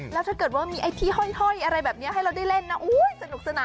แล้วถ้าเกิดว่ามีไอ้ที่ห้อยอะไรแบบนี้ให้เราได้เล่นนะสนุกสนาน